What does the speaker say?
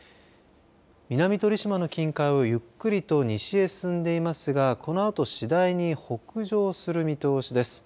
南鳥島の近海をゆっくりと西へ進んでいますがこのあと次第に北上する見通しです。